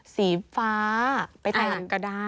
สีฟ้าไปเที่ยวก็ได้